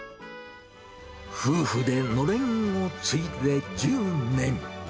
夫婦でのれんを継いで１０年。